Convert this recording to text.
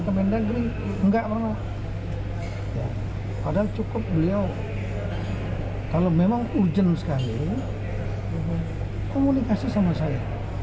kemendagri enggak malah padahal cukup beliau kalau memang urgent sekali komunikasi sama saya